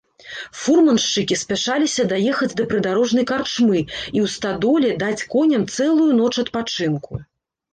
Фурманшчыкі спяшаліся даехаць да прыдарожнай карчмы і ў стадоле даць коням цэлую ноч адпачынку.